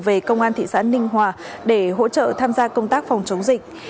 về công an thị xã ninh hòa để hỗ trợ tham gia công tác phòng chống dịch